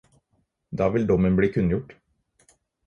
Da vil dommen bli kunngjort.